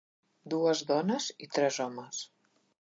Dues dones i tres homes.